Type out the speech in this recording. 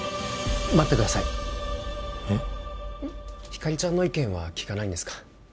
ひかりちゃんの意見は聞かないんですか？